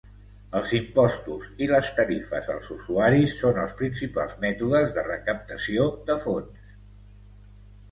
Els impostos i les tarifes als usuaris són els principals mètodes de recaptació de fons.